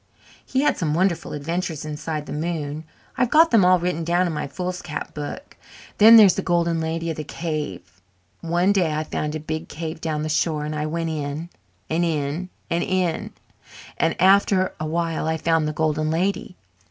He had some wonderful adventures inside the moon I've got them all written down in my foolscap book. Then there is the Golden Lady of the Cave. One day I found a big cave down the shore and I went in and in and in and after a while I found the Golden Lady.